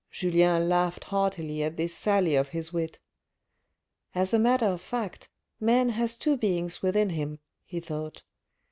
Julien laughed heartily at this sally of his wit. "As a matter of fact, man has two beings within him, he thought.